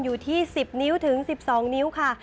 อยู่ที่๑๐นิ้วถึง๑๒นิ้วค่ะ